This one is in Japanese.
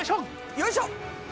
よいしょ！